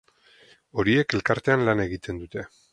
Horiek elkartean lan egiten dute.